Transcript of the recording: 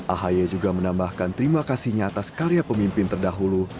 ahaye juga menambahkan terima kasihnya atas karya pemimpin terdahulu